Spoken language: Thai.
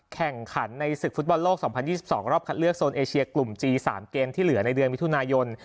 แข่งขันในศึกษ์ฟุตบอลโลกสองพันยี่สิบสองรอบคัดเลือกโซนเอเชียกลุ่มจีสามเกมที่เหลือในเดือนวิทุนายน